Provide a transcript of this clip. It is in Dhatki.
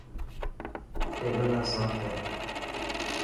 ٽيبل نا ساف ڪر.